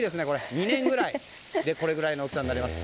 ２年ぐらいでこれくらいの大きさになります。